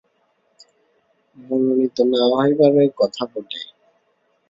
মনোনীত না হইবারই কথা বটে।